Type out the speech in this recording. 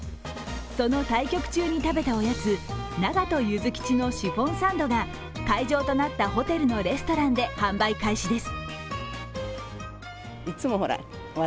その対局中に食べたおやつ、長門ゆずきちのシフォンサンドが会場となったホテルのレストランで販売開始です。